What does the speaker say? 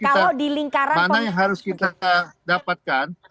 jadi mana yang harus kita dapatkan